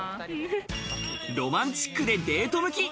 ロマンチックでデート向き。